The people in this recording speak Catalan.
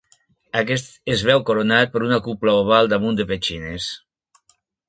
Aquest es veu coronat per una cúpula oval damunt de petxines.